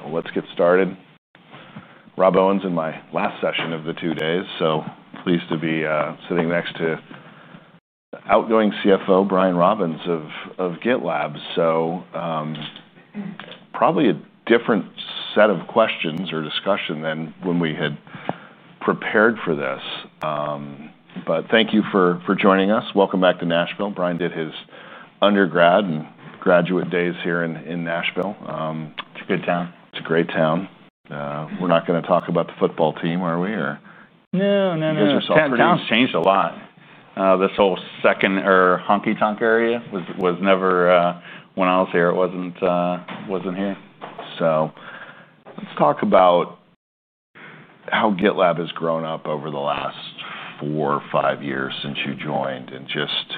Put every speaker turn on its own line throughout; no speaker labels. All right, let's get started. Rob Owens in my last session of the two days, so pleased to be sitting next to the outgoing Chief Financial Officer, Brian Robbins, of GitLab. Probably a different set of questions or discussion than when we had prepared for this. Thank you for joining us. Welcome back to Nashville. Brian did his undergrad and graduate days here in Nashville.
It's a good town.
It's a great town. We're not going to talk about the football team, are we?
No, no, no. Town's changed a lot. This whole second or honky-tonk area was never here when I was here. It wasn't here.
Let's talk about how GitLab has grown up over the last four or five years since you joined and just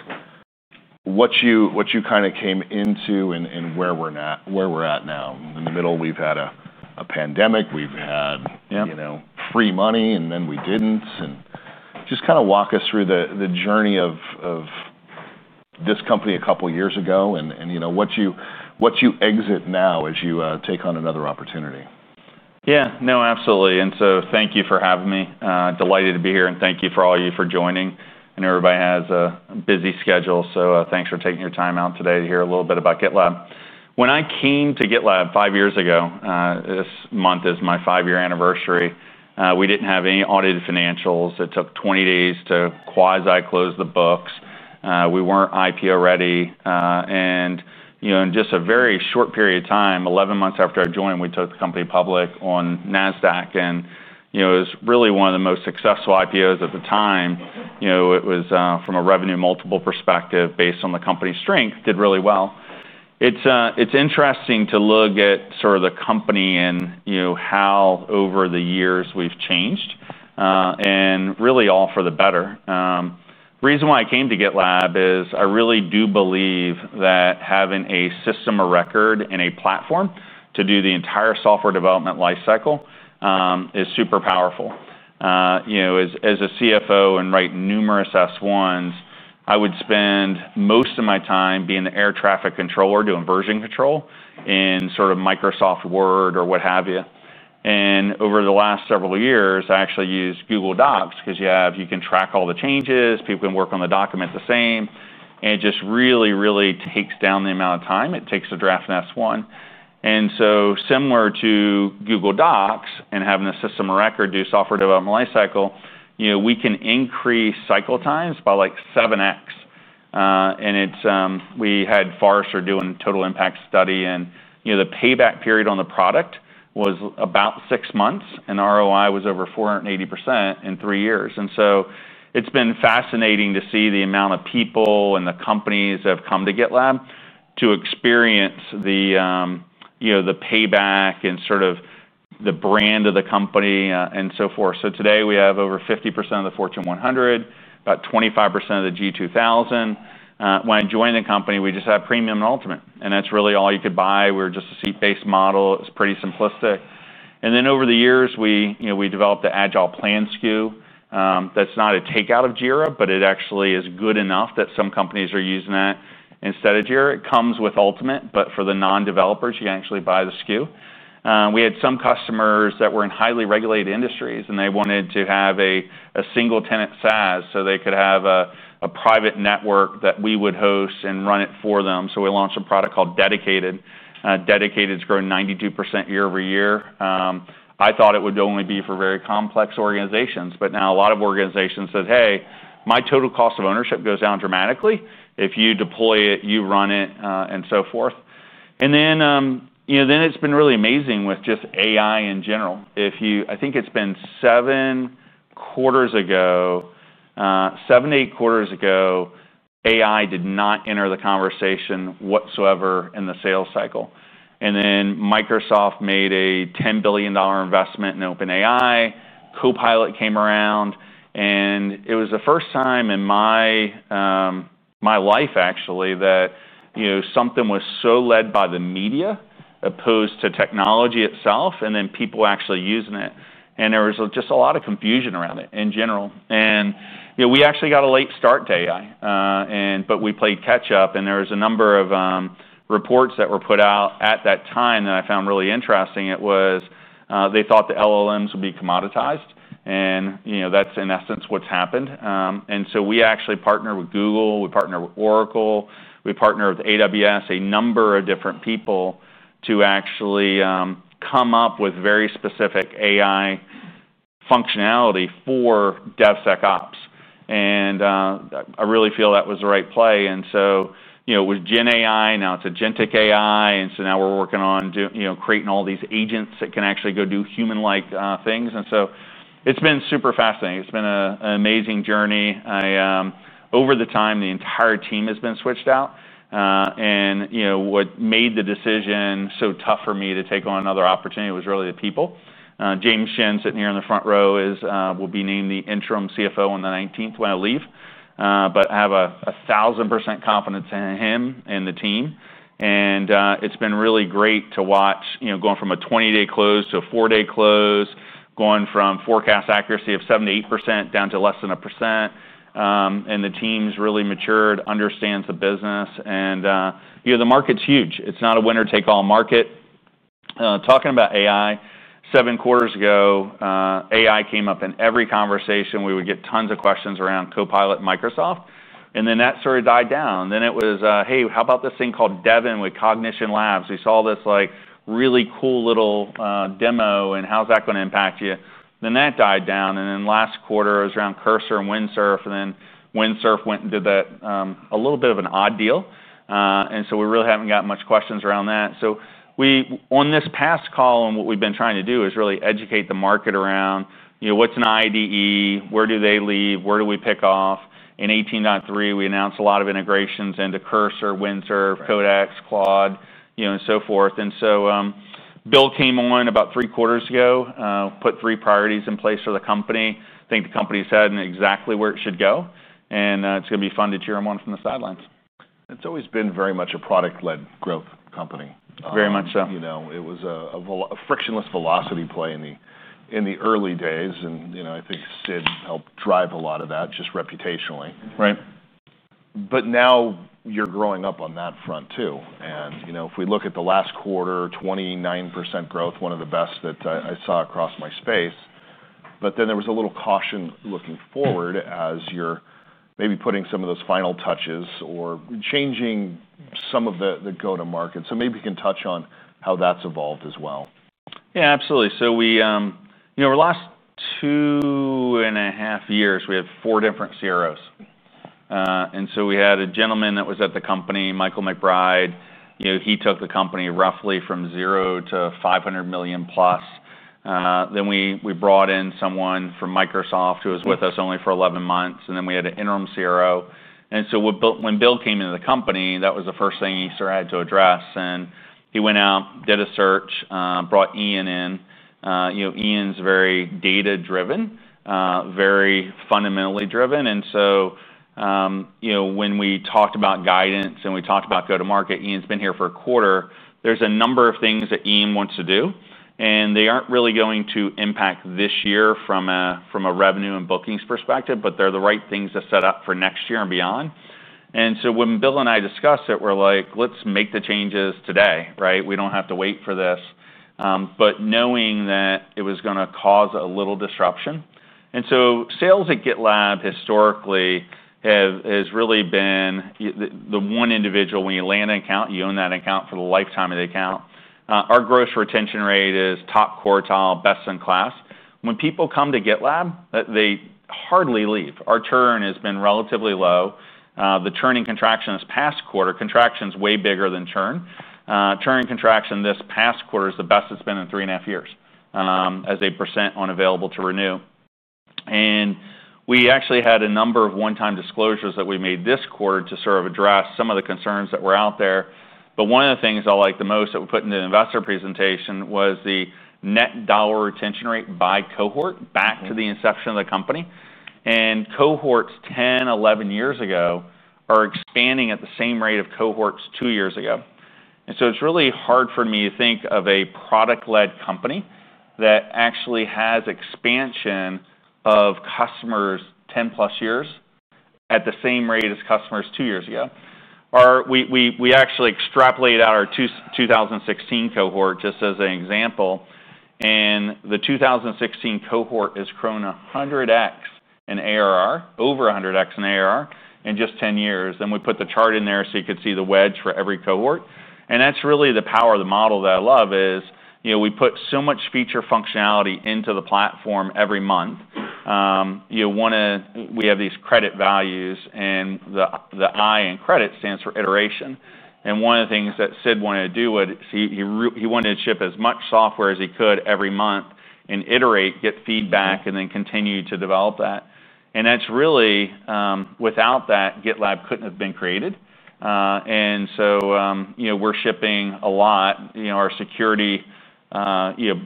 what you kind of came into and where we're at now. In the middle, we've had a pandemic, we've had free money, and then we didn't. Just walk us through the journey of this company a couple of years ago and what you exit now as you take on another opportunity.
Yeah, no, absolutely. Thank you for having me. Delighted to be here and thank you for all you for joining. I know everybody has a busy schedule, so thanks for taking your time out today to hear a little bit about GitLab. When I came to GitLab five years ago, this month is my five-year anniversary. We didn't have any audited financials. It took 20 days to quasi close the books. We weren't IPO ready. In just a very short period of time, 11 months after I joined, we took the company public on NASDAQ. It was really one of the most successful IPOs at the time. From a revenue multiple perspective, based on the company's strength, did really well. It's interesting to look at sort of the company and how over the years we've changed and really all for the better. The reason why I came to GitLab is I really do believe that having a system of record and a platform to do the entire software development lifecycle is super powerful. As a CFO and write numerous S-1s, I would spend most of my time being the air traffic controller doing version control in sort of Microsoft Word or what have you. Over the last several years, I actually use Google Docs because you can track all the changes, people can work on the document the same, and it just really, really takes down the amount of time it takes to draft an S-1. Similar to Google Docs and having a system of record do software development lifecycle, we can increase cycle times by like 7x. We had Forrester do a total impact study and the payback period on the product was about six months and ROI was over 480% in three years. It's been fascinating to see the amount of people and the companies that have come to GitLab to experience the payback and sort of the brand of the company and so forth. Today we have over 50% of the Fortune 100, about 25% of the Global 2000. When I joined the company, we just had Premium and Ultimate, and that's really all you could buy. We were just a seat-based model. It was pretty simplistic. Over the years, we developed the Agile Plan SKU. That's not a takeout of Jira, but it actually is good enough that some companies are using that instead of Jira. It comes with Ultimate, but for the non-developers, you can actually buy the SKU. We had some customers that were in highly regulated industries and they wanted to have a single-tenant SaaS so they could have a private network that we would host and run it for them. We launched a product called GitLab Dedicated. GitLab Dedicated has grown 92% year over year. I thought it would only be for very complex organizations, but now a lot of organizations said, "Hey, my total cost of ownership goes down dramatically if you deploy it, you run it," and so forth. It's been really amazing with just AI in general. I think it's been seven quarters ago, seven, eight quarters ago, AI did not enter the conversation whatsoever in the sales cycle. Microsoft made a $10 billion investment in OpenAI. Copilot came around and it was the first time in my life, actually, that something was so led by the media as opposed to technology itself and then people actually using it. There was just a lot of confusion around it in general. We actually got a late start to AI, but we played catch-up and there was a number of reports that were put out at that time that I found really interesting. They thought the LLMs would be commoditized. That's in essence what's happened. We actually partnered with Google, we partnered with Oracle, we partnered with Amazon Web Services, a number of different people to actually come up with very specific AI functionality for DevSecOps. I really feel that was the right play. It was GenAI, now it's Agentic AI, and now we're working on creating all these agents that can actually go do human-like things. It's been super fascinating. It's been an amazing journey. Over the time, the entire team has been switched out. What made the decision so tough for me to take on another opportunity was really the people. James Shin, sitting here in the front row, will be named the Interim CFO on the 19th when I leave. I have a thousand percent confidence in him and the team. It's been really great to watch, going from a 20-day close to a four-day close, going from forecast accuracy of 78% down to less than a percent. The team's really matured, understands the business, and the market's huge. It's not a winner-take-all market. Talking about AI, seven quarters ago, AI came up in every conversation. We would get tons of questions around Copilot Microsoft. That sort of died down. It was, hey, how about this thing called Devin with Cognition Labs? We saw this really cool little demo and how's that going to impact you? That died down. Last quarter, it was around Cursor and Windsurf. Windsurf went and did a little bit of an odd deal. We really haven't got much questions around that. On this past call, what we've been trying to do is really educate the market around what's an IDE, where do they leave, where do we pick off? In 18.3, we announced a lot of integrations into Cursor, Windsurf, Codex, Quad, and so forth. Bill came on about three quarters ago, put three priorities in place for the company. I think the company's heading exactly where it should go. It's going to be fun to cheer him on from the sidelines.
It's always been very much a product-led growth company.
Very much so.
It was a frictionless velocity play in the early days. I think Sid helped drive a lot of that just reputationally.
Right.
You're growing up on that front too. If we look at the last quarter, 29% growth, one of the best that I saw across my space. There was a little caution looking forward as you're maybe putting some of those final touches or changing some of the go-to-market. Maybe you can touch on how that's evolved as well.
Yeah, absolutely. Over the last two and a half years, we had four different CROs. We had a gentleman that was at the company, Michael McBride. He took the company roughly from zero to $500 million plus. Then we brought in someone from Microsoft who was with us only for 11 months. We had an interim CRO. When Bill came into the company, that was the first thing he had to address. He went out, did a search, brought Ian in. Ian's very data-driven, very fundamentally driven. When we talked about guidance and we talked about go-to-market, Ian's been here for a quarter. There's a number of things that Ian wants to do. They aren't really going to impact this year from a revenue and bookings perspective, but they're the right things to set up for next year and beyond. When Bill and I discussed it, we're like, let's make the changes today, right? We don't have to wait for this, knowing that it was going to cause a little disruption. Sales at GitLab historically has really been the one individual, when you land an account, you own that account for the lifetime of the account. Our gross retention rate is top quartile, best in class. When people come to GitLab, they hardly leave. Our churn has been relatively low. The churn and contraction this past quarter, contraction's way bigger than churn. Churn and contraction this past quarter is the best it's been in three and a half years as a % on available to renew. We actually had a number of one-time disclosures that we made this quarter to address some of the concerns that were out there. One of the things I liked the most that we put into the investor presentation was the net dollar retention rate by cohort back to the inception of the company. Cohorts 10, 11 years ago are expanding at the same rate of cohorts two years ago. It's really hard for me to think of a product-led company that actually has expansion of customers 10 plus years at the same rate as customers two years ago. We actually extrapolated out our 2016 cohort just as an example. The 2016 cohort has grown 100x in ARR, over 100x in ARR in just 10 years. We put the chart in there so you could see the wedge for every cohort. That's really the power of the model that I love. We put so much feature functionality into the platform every month. We have these credit values and the I in credit stands for iteration. One of the things that Sid wanted to do was he wanted to ship as much software as he could every month and iterate, get feedback, and then continue to develop that. Without that, GitLab couldn't have been created. We're shipping a lot. Our security module,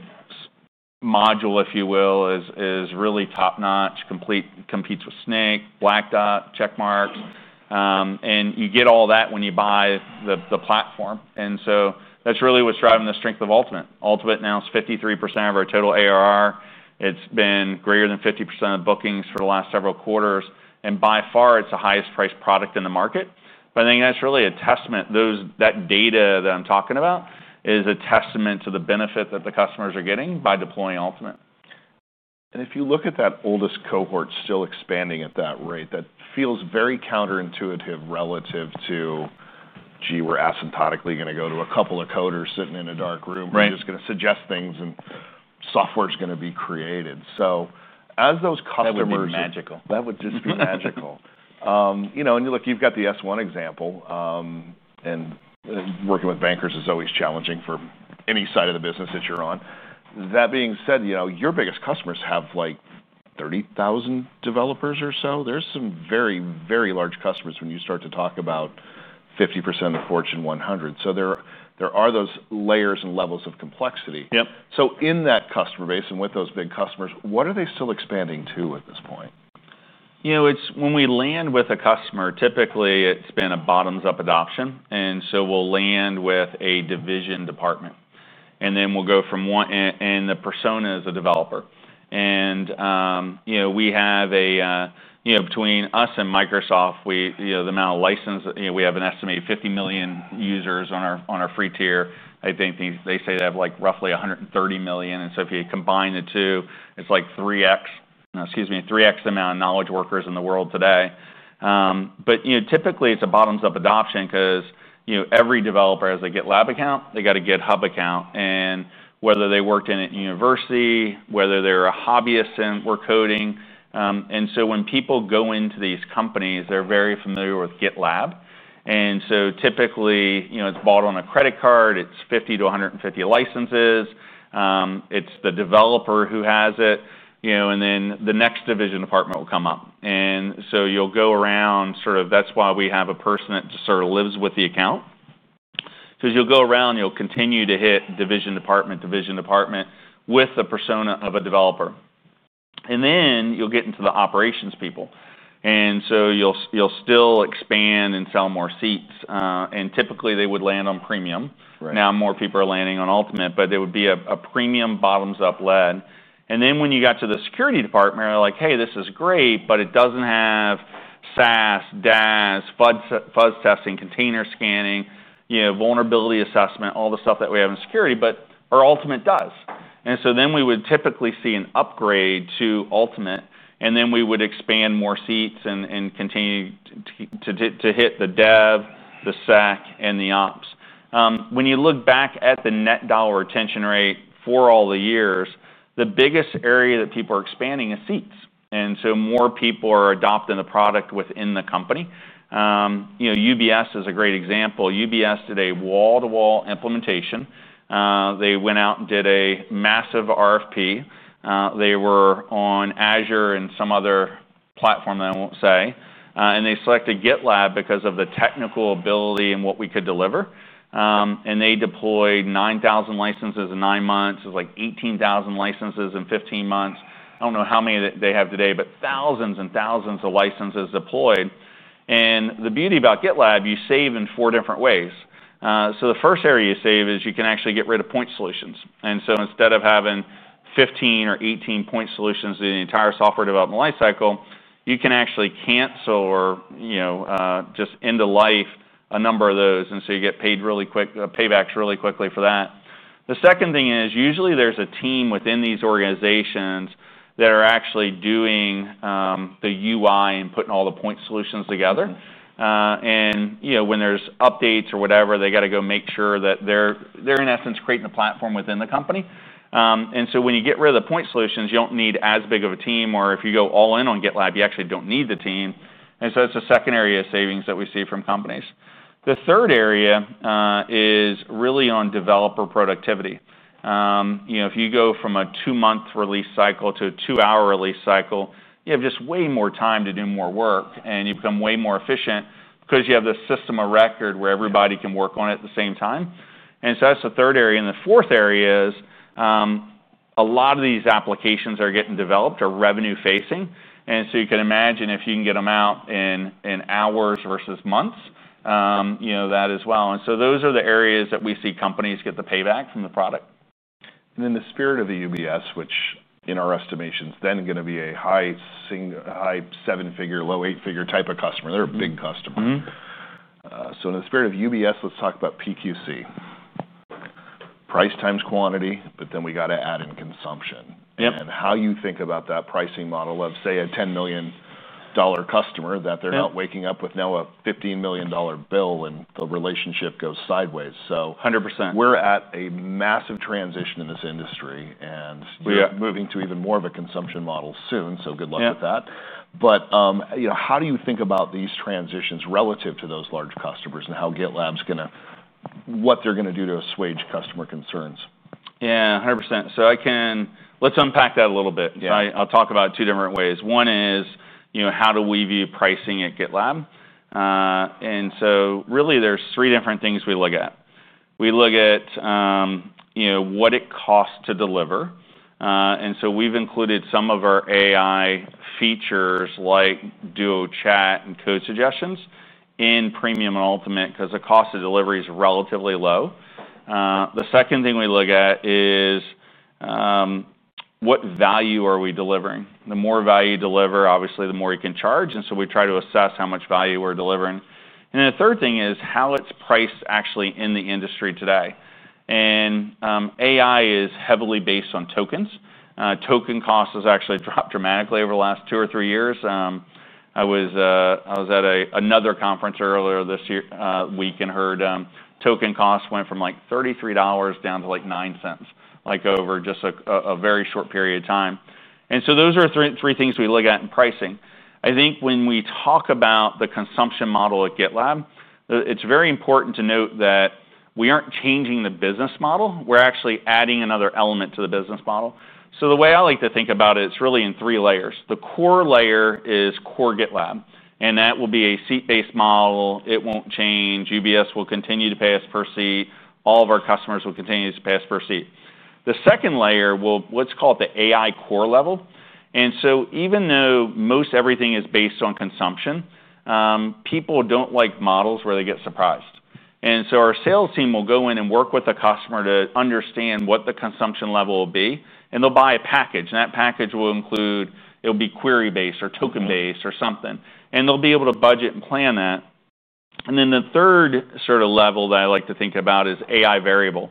if you will, is really top-notch. Competes with Snyk, Black Duck, Checkmarx. You get all that when you buy the platform. That's really what's driving the strength of Ultimate. Ultimate now is 53% of our total ARR. It's been greater than 50% of bookings for the last several quarters. By far, it's the highest priced product in the market. I think that's really a testament. That data that I'm talking about is a testament to the benefit that the customers are getting by deploying Ultimate.
If you look at that oldest cohort still expanding at that rate, that feels very counterintuitive relative to, gee, we're asymptotically going to go to a couple of coders sitting in a dark room who are just going to suggest things and software's going to be created. As those customers...
That would be magical.
That would just be magical. You know, you look, you've got the S1 example. Working with bankers is always challenging for any side of the business that you're on. That being said, your biggest customers have like 30,000 developers or so. There are some very, very large customers when you start to talk about 50% of the Fortune 100. There are those layers and levels of complexity. In that customer base and with those big customers, what are they still expanding to at this point?
You know, when we land with a customer, typically it's been a bottoms-up adoption. We'll land with a division or department, and then we'll go from one, and the persona is a developer. You know, between us and Microsoft, the amount of license, we have an estimated 50 million users on our free tier. I think they say they have like roughly 130 million. If you combine the two, it's like 3x, excuse me, 3x the amount of knowledge workers in the world today. Typically it's a bottoms-up adoption because every developer, as they get a GitLab account, they got a GitHub account. Whether they worked in it in university, whether they're a hobbyist and were coding, when people go into these companies, they're very familiar with GitLab. Typically, it's bought on a credit card. It's 50 to 150 licenses. It's the developer who has it, and then the next division or department will come up. You'll go around, that's why we have a person that sort of lives with the account. You'll go around, you'll continue to hit division, department, division, department with the persona of a developer. Then you'll get into the operations people, and you'll still expand and sell more seats. Typically they would land on Premium. Now more people are landing on Ultimate, but it would be a Premium bottoms-up led. When you got to the security department, they're like, hey, this is great, but it doesn't have SaaS, DaaS, Fuzz testing, container scanning, vulnerability assessment, all the stuff that we have in security, but our Ultimate does. Then we would typically see an upgrade to Ultimate, and then we would expand more seats and continue to hit the dev, the sec, and the ops. When you look back at the net dollar retention rate for all the years, the biggest area that people are expanding is seats. More people are adopting the product within the company. UBS is a great example. UBS did a wall-to-wall implementation. They went out and did a massive RFP. They were on Azure and some other platform that I won't say. They selected GitLab because of the technical ability and what we could deliver. They deployed 9,000 licenses in nine months. It was like 18,000 licenses in 15 months. I don't know how many they have today, but thousands and thousands of licenses deployed. The beauty about GitLab is you save in four different ways. The first area you save is you can actually get rid of point solutions. Instead of having 15 or 18 point solutions in the entire software development lifecycle, you can actually cancel or just end of life a number of those. You get paybacks really quickly for that. The second thing is usually there's a team within these organizations that are actually doing the UI and putting all the point solutions together. When there's updates or whatever, they have to go make sure that they're, in essence, creating a platform within the company. When you get rid of the point solutions, you don't need as big of a team, or if you go all in on GitLab, you actually don't need the team. That's the second area of savings that we see from companies. The third area is really on developer productivity. If you go from a two-month release cycle to a two-hour release cycle, you have just way more time to do more work, and you become way more efficient because you have this system of record where everybody can work on it at the same time. That's the third area. The fourth area is a lot of these applications are getting developed or revenue-facing. You can imagine if you can get them out in hours versus months, you know, that as well. Those are the areas that we see companies get the payback from the product.
In the spirit of UBS, which in our estimations is going to be a high seven-figure, low eight-figure type of customer, they're a big customer. In the spirit of UBS, let's talk about PQC. Price times quantity, but then we got to add in consumption. How you think about that pricing model of, say, a $10 million customer, that they're not waking up with now a $15 million bill and the relationship goes sideways.
100%.
We're at a massive transition in this industry, and we're moving to even more of a consumption model soon. Good luck with that. You know, how do you think about these transitions relative to those large customers and how GitLab's going to, what they're going to do to assuage customer concerns?
Yeah, 100%. I can, let's unpack that a little bit. I'll talk about two different ways. One is, you know, how do we view pricing at GitLab? There are three different things we look at. We look at, you know, what it costs to deliver. We've included some of our AI features like DuoChat and code suggestions in Premium and Ultimate because the cost of delivery is relatively low. The second thing we look at is what value are we delivering. The more value you deliver, obviously the more you can charge. We try to assess how much value we're delivering. The third thing is how it's priced actually in the industry today. AI is heavily based on tokens. Token costs have actually dropped dramatically over the last two or three years. I was at another conference earlier this week and heard token costs went from like $33 down to like $0.09, like over just a very short period of time. Those are three things we look at in pricing. I think when we talk about the consumption model at GitLab, it's very important to note that we aren't changing the business model. We're actually adding another element to the business model. The way I like to think about it, it's really in three layers. The core layer is core GitLab. That will be a seat-based model. It won't change. UBS will continue to pay us per seat. All of our customers will continue to pay us per seat. The second layer, let's call it the AI core level. Even though most everything is based on consumption, people don't like models where they get surprised. Our sales team will go in and work with the customer to understand what the consumption level will be. They'll buy a package. That package will include, it'll be query-based or token-based or something. They'll be able to budget and plan that. The third sort of level that I like to think about is AI variable.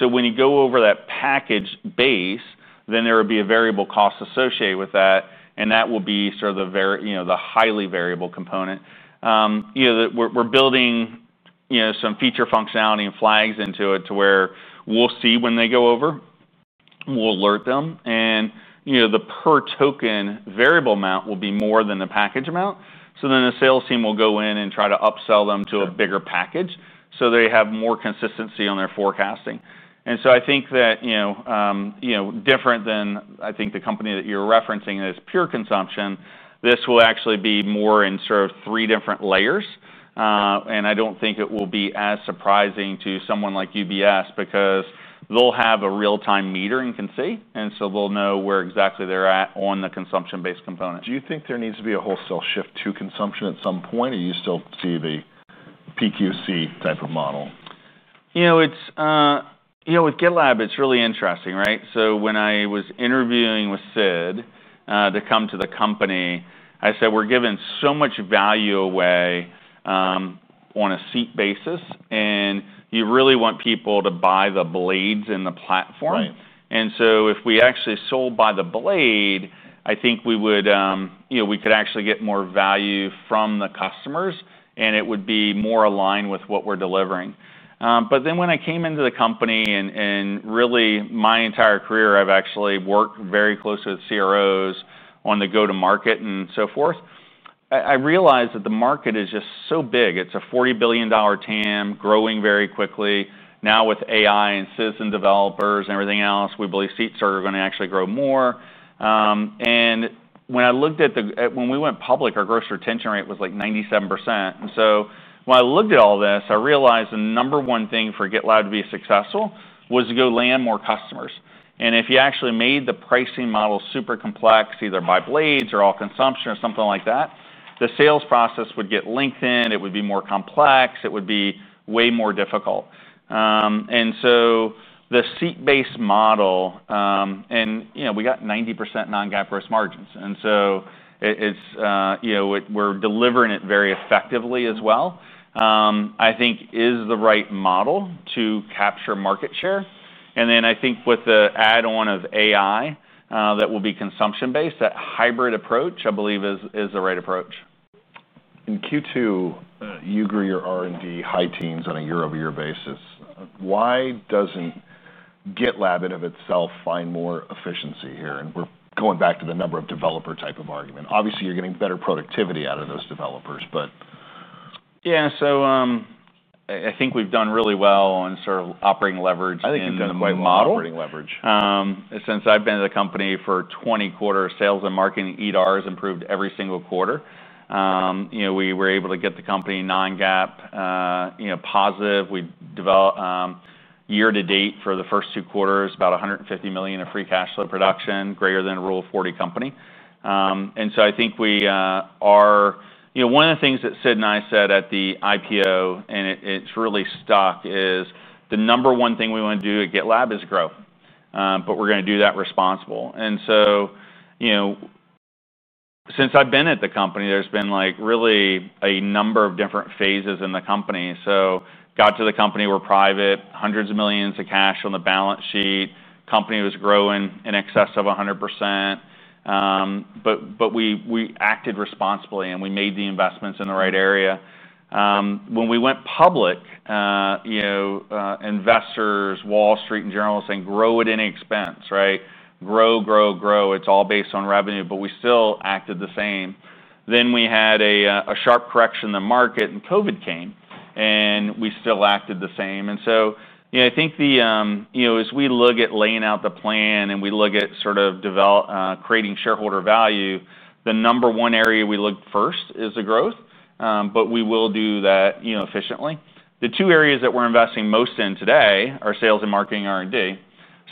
When you go over that package base, then there will be a variable cost associated with that. That will be the highly variable component. We're building some feature functionality and flags into it to where we'll see when they go over. We'll alert them. The per token variable amount will be more than the package amount. The sales team will go in and try to upsell them to a bigger package so they have more consistency on their forecasting. I think that, different than I think the company that you're referencing is pure consumption. This will actually be more in sort of three different layers. I don't think it will be as surprising to someone like UBS because they'll have a real-time meter and can see. They'll know where exactly they're at on the consumption-based component.
Do you think there needs to be a wholesale shift to consumption at some point? Or do you still see the seat-based core type of model?
You know, with GitLab, it's really interesting, right? When I was interviewing with Sid to come to the company, I said we're giving so much value away on a seat basis. You really want people to buy the blades in the platform. If we actually sold by the blade, I think we could actually get more value from the customers, and it would be more aligned with what we're delivering. When I came into the company and really my entire career, I've actually worked very closely with CROs on the go-to-market and so forth. I realized that the market is just so big. It's a $40 billion TAM growing very quickly. Now with AI and citizen developers and everything else, we believe seats are going to actually grow more. When I looked at the, when we went public, our gross retention rate was like 97%. When I looked at all this, I realized the number one thing for GitLab to be successful was to go land more customers. If you actually made the pricing model super complex, either by blades or all consumption or something like that, the sales process would get lengthened. It would be more complex. It would be way more difficult. The seat-based model, and you know, we got 90% non-GAAP gross margins, so we're delivering it very effectively as well. I think is the right model to capture market share. I think with the add-on of AI that will be consumption-based, that hybrid approach, I believe, is the right approach.
In Q2, you grew your R&D high teens on a year-over-year basis. Why doesn't GitLab in and of itself find more efficiency here? We're going back to the number of developer type of argument. Obviously, you're getting better productivity out of those developers.
Yeah, I think we've done really well on sort of operating leverage.
I think you've done a great model.
Since I've been at the company for 20 quarters, sales and marketing EDR has improved every single quarter. We were able to get the company non-GAAP positive. We developed year-to-date for the first two quarters, about $150 million of free cash flow production, greater than rule 40 company. I think we are, you know, one of the things that Sid and I said at the IPO, and it's really stuck, is the number one thing we want to do at GitLab is grow. We're going to do that responsible. Since I've been at the company, there's been really a number of different phases in the company. Got to the company, we're private, hundreds of millions of cash on the balance sheet. The company was growing in excess of 100%. We acted responsibly and we made the investments in the right area. When we went public, investors, Wall Street in general, saying, "Grow at any expense," right? Grow, grow, grow. It's all based on revenue, but we still acted the same. We had a sharp correction in the market and COVID came, and we still acted the same. I think as we look at laying out the plan and we look at sort of develop, creating shareholder value, the number one area we looked first is the growth. We will do that efficiently. The two areas that we're investing most in today are sales and marketing R&D.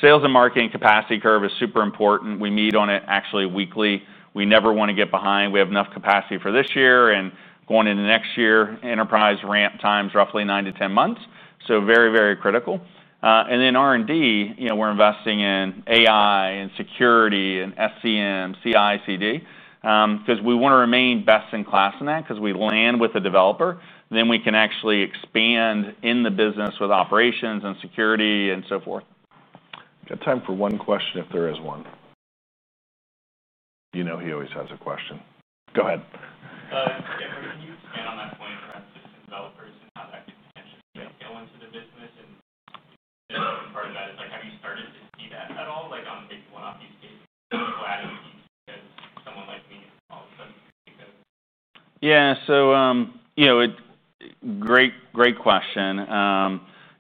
Sales and marketing capacity curve is super important. We meet on it actually weekly. We never want to get behind. We have enough capacity for this year and going into next year, enterprise ramp times roughly nine to ten months. Very, very critical. R&D, we're investing in AI and security and SCM, CI, CD. We want to remain best in class in that, because we land with a developer, then we can actually expand in the business with operations and security and so forth.
Got time for one question if there is one. You know he always has a question. Go ahead.
Got it. Can you expand on that point?
Great question.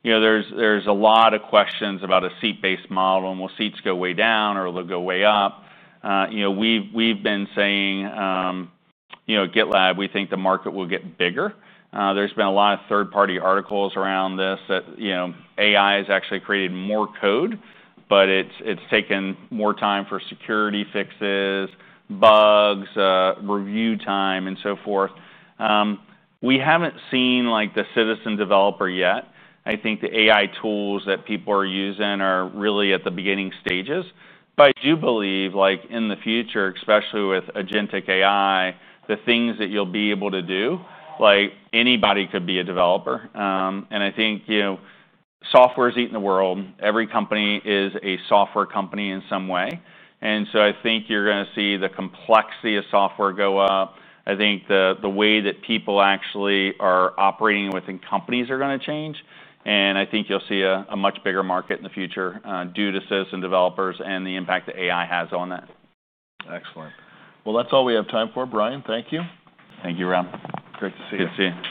There's a lot of questions about a seat-based model. Will seats go way down or will they go way up? We've been saying at GitLab, we think the market will get bigger. There's been a lot of third-party articles around this that AI has actually created more code, but it's taken more time for security fixes, bugs, review time, and so forth. We haven't seen the citizen developer yet. I think the AI tools that people are using are really at the beginning stages. I do believe in the future, especially with Agentic AI, the things that you'll be able to do, like anybody could be a developer. I think software's eating the world. Every company is a software company in some way. I think you're going to see the complexity of software go up. I think the way that people actually are operating within companies is going to change. I think you'll see a much bigger market in the future due to citizen developers and the impact that AI has on that.
Excellent. That's all we have time for, Brian. Thank you.
Thank you, Rob.
Great to see you.